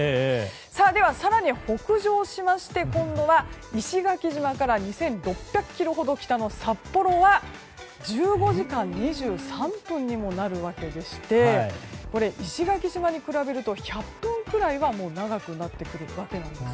では、更に北上しまして今度は石垣島から２６００ｋｍほど北の札幌は１５時間２３分にもなるわけで石垣島に比べると１００分くらい長くなってくるわけです。